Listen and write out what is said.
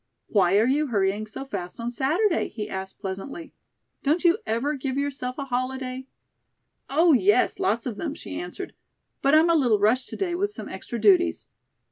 "Why are you hurrying so fast on Saturday?" he asked pleasantly. "Don't you ever give yourself a holiday?" "Oh, yes; lots of them," she answered; "but I'm a little rushed to day with some extra duties."